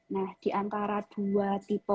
nah di antara dua tipe